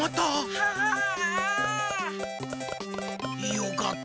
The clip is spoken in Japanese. よかった。